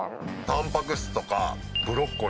タンパク質とか。